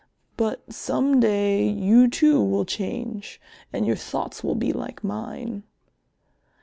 But some day you too will change and your thoughts will be like mine."